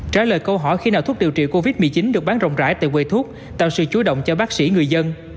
trả lời câu hỏi khi nào thuốc điều trị covid một mươi chín được bán rộng rãi tại quầy thuốc tạo sự chú động cho bác sĩ người dân